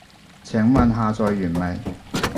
請問下載完未？